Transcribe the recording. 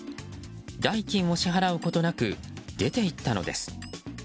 代金を支払うことなく出ていったのです。